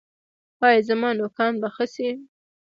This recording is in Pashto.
ایا زما نوکان به ښه شي؟